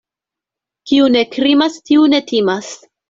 Kiu ne krimas, tiu ne timas.